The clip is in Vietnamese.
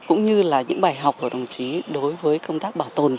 cũng như là những bài học của đồng chí đối với công tác bảo tồn